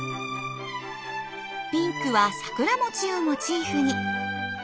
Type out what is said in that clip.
ピンクは桜餅をモチーフに。